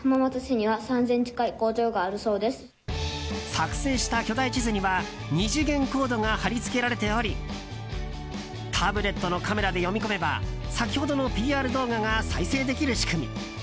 作成した巨大地図には２次元コードが貼り付けられておりタブレットのカメラで読み込めば先ほどのＰＲ動画が再生できる仕組み。